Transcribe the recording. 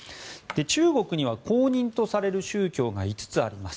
中国には公認とされる宗教が５つあります。